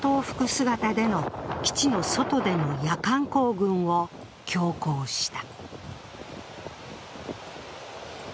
姿での基地の外での夜間行軍を強行した。